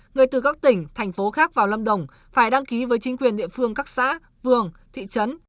người từ các tỉnh thành phố khác vào lâm đồng phải đăng ký với chính quyền địa phương các xã vườn thị trấn